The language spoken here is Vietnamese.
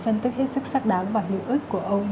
phân tức hết sức sắc đáng và hữu ức của ông